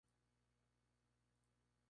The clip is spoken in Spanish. Se denomina deporte extremo.